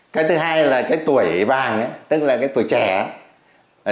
cái thứ hai là cái tuổi vàng ấy tức là